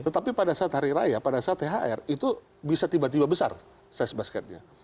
tetapi pada saat hari raya pada saat thr itu bisa tiba tiba besar size basketnya